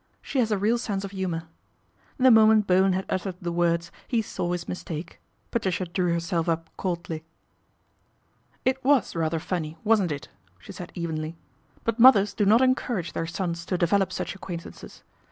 " She has a real sense of humour." The moment Bowen had uttered the words he saw his mistake. Patricia drew herself up coldly. " It was rather funny, wasn't it ?" she said evenly ;" but mothers do not encourage their sons to develop such acquaintances.